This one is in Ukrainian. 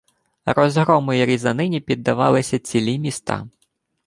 Розгрому і різанині піддавалися цілі міста